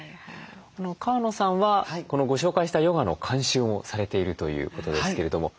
川野さんはこのご紹介したヨガの監修もされているということですけれども。